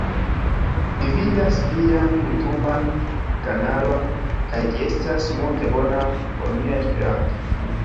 Mi vidas vian jutuban kanalon kaj ĝi estas multe bona por mia Esperanto